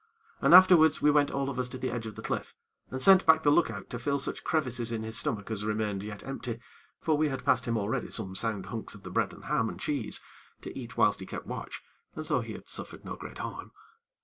And afterwards we went all of us to the edge of the cliff, and sent back the look out to fill such crevices in his stomach as remained yet empty; for we had passed him already some sound hunks of the bread and ham and cheese, to eat whilst he kept watch, and so he had suffered no great harm.